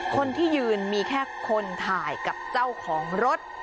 คนที่ยืนมีแค่คนถ่ายกับเจ้าของรถ